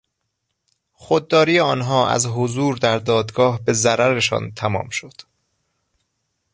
خودداری آنها از حضور در دادگاه به ضررشان تمام شد.